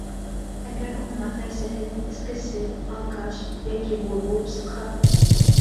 Әгәр уның ата-әсәһе эскесе, алкаш йәки бур булып сыҡһа?